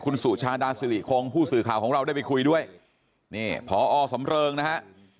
คุณสุชาดาสิริคงผู้สื่อข่าวของเราได้ไปคุยด้วยนี่พอสำเริงนะฮะ